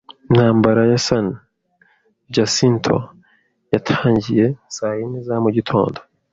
Intambara ya San Jacinto yatangiye saa yine za mu gitondo.